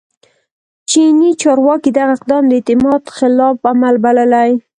چیني چارواکي دغه اقدام د اعتماد خلاف عمل بللی